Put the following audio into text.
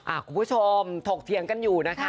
คุณผู้ชมถกเถียงกันอยู่นะคะ